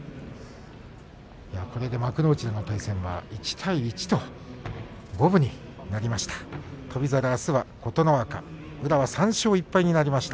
これで幕内での対戦は１対１と五分になりました。